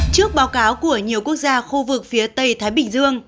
trước báo cáo của nhiều quốc gia khu vực phía tây thái bình dương